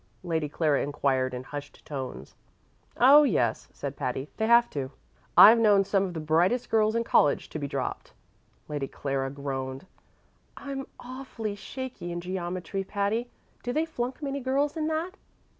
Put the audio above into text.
Lady Clara inquired in hushed tones. "Oh, yes," said Patty; "they have to. I've known some of the brightest girls in college to be dropped." Lady Clara groaned. "I'm awfully shaky in geometry, Patty. Do they flunk many girls in that?"